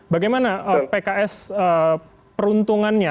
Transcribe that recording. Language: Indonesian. bagaimana pks peruntungannya